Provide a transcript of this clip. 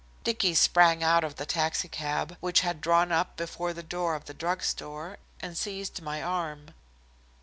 Dicky sprang out of the taxicab, which had drawn up before the door of the drug store, and seized my arm.